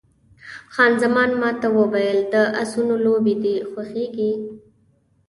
خان زمان ما ته وویل، د اسونو لوبې دې خوښېږي؟